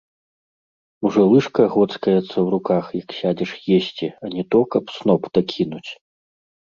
Ужо лыжка гоцкаецца ў руках, як сядзеш есці, а не то каб сноп дакінуць.